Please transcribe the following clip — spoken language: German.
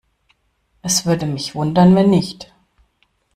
Es würde mich wundern, wenn nicht.